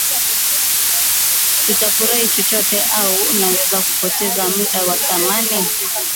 kufurahia chochote Au unaweza kupoteza muda wa thamani